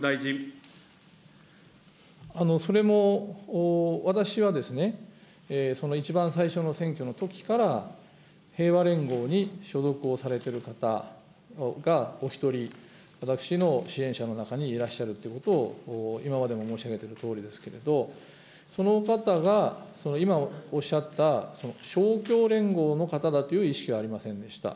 それも私は、その一番最初の選挙のときから、平和連合に所属をされてる方がお一人、私の支援者の中にいらっしゃるということを今までも申し上げているとおりですけれども、その方が今おっしゃった勝共連合の方だという意識はありませんでした。